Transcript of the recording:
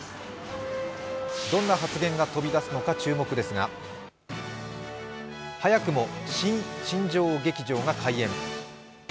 どんな発言が飛び出すのか注目ですが早くも新新庄劇場が開演。